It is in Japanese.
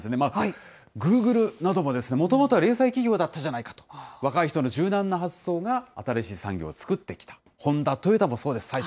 グーグルなども、もともとは零細企業だったじゃないかと、若い人の柔軟な発想が、新しい産業を作ってきた、ホンダ、トヨタもそうです。